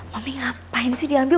mami ngapain sih diambil